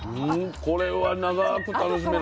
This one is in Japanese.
これは長く楽しめる。